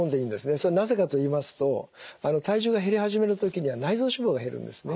それなぜかといいますとあの体重が減り始めの時には内臓脂肪が減るんですね。